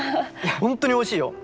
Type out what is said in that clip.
本当においしいよ！